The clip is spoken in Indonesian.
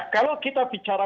kalau kita bicara